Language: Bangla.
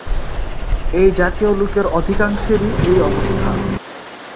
এই জাতীয় লোকের অধিকাংশেরই এই অবস্থা।